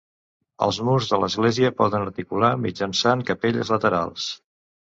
Els murs de l'església poden articular mitjançant capelles laterals.